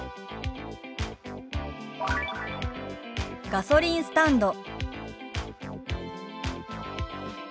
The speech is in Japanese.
「ガソリンスタンド」。